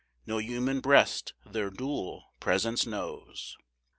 No human breast their dual presence knows.